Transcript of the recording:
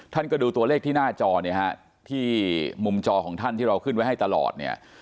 ท่านก็ดูตัวเลขที่หน้าจอที่มุมจอของท่านที่เราขึ้นไว้ให้ตลอด